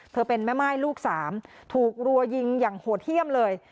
เป็นแม่ม่ายลูกสามถูกรัวยิงอย่างโหดเยี่ยมเลย